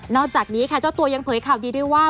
จากนี้ค่ะเจ้าตัวยังเผยข่าวดีด้วยว่า